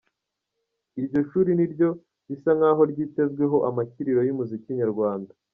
Iryo shuri ni ryo risa nk’aho ryitezweho amakiriro y’umuziki Nyarwanda.